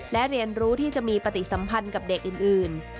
และเรียนรู้ที่จะมีปฏิสัมพันธ์กับเด็กอื่น